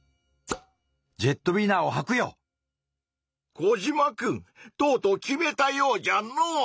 コジマくんとうとう決めたようじゃの！